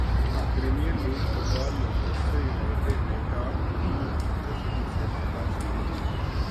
premier league football Manchester United نے top team Manchester City سے فتح چھین لی